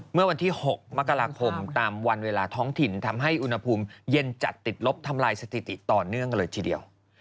เมื่อวันที่๖มกราคมตามวันเวลาท้องถิ่นทำให้อุณหภูมิเย็นจัดติดลบทำลายสถิติต่อเนื่องกันเลยทีเดียว